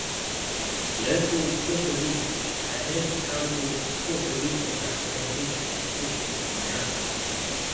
Local Puerto Ricans had noted how little Puerto Rican representation existed in Miami.